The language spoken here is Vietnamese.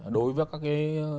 đối với các cái